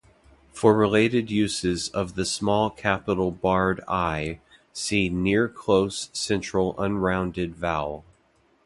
For related uses of the small capital barred i, see near-close central unrounded vowel.